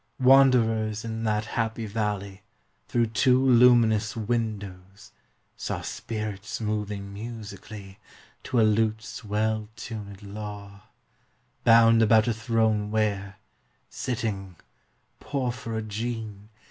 Wanderers in that happy valley, Through two luminous windows, saw Spirits moving musically, To a lute's well tunëd law, Bound about a throne where, sitting (Porphyrogene!)